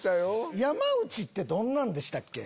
山内ってどんなんでしたっけ？